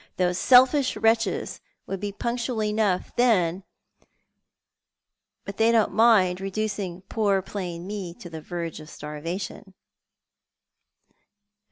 Those selfish wretches would be punctual enough then; but they don't mind reducing poor plain me to the verge of starvation."